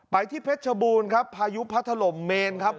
ที่เพชรชบูรณ์ครับพายุพัดถล่มเมนครับ